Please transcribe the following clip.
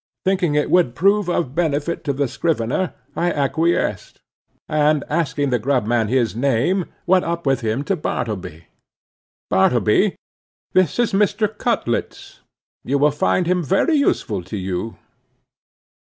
Thinking it would prove of benefit to the scrivener, I acquiesced; and asking the grub man his name, went up with him to Bartleby. "Bartleby, this is Mr. Cutlets; you will find him very useful to you."